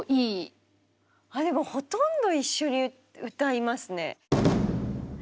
でもほとんど一緒に歌いますね。